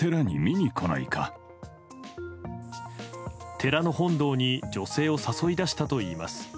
寺の本堂に女性を誘い出したといいます。